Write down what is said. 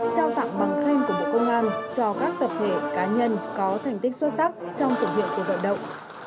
trao tặng bằng khanh của bộ công an cho các vật thể cá nhân có thành tích xuất sắc trong chủng hiệu của vận động